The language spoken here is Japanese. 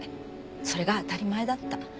それが当たり前だった。